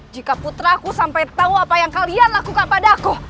jika putraku sampai tahu apa yang kalian lakukan padaku